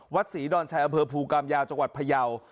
วัดศรีดอนชัยอเผลอภูกรามยาจังหวัดพระยาว